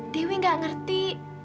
dewi nggak ngerti